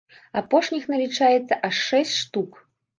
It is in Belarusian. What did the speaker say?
Апошніх налічаецца аж шэсць штук.